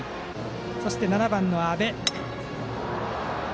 そして７番の安部。